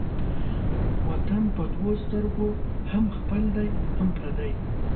وطن په دوو سترگو هم خپل دى هم پردى.